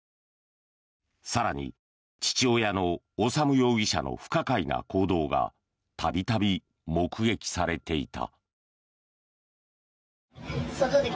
更に、父親の修容疑者の不可解な行動が度々、目撃されていた。